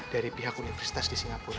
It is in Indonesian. dari pihak universitas di singapura